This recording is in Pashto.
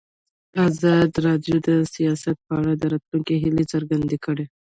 ازادي راډیو د سیاست په اړه د راتلونکي هیلې څرګندې کړې.